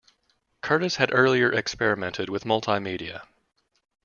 Curtis had earlier experimented with multimedia.